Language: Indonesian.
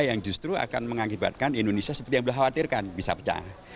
yang justru akan mengakibatkan indonesia seperti yang beliau khawatirkan bisa pecah